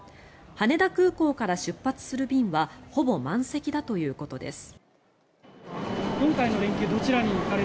羽田空港から出発する便はほぼ満席だということです。